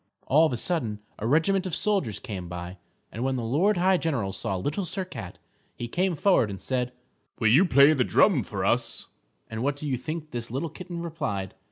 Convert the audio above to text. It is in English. All of a sudden, a regiment of soldiers came by. And when the Lord High General saw Little Sir Cat, he came forward and said, "Will you play the little drum for us?" And what do you think this little kitten replied?